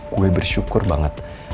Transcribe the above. gue bersyukur banget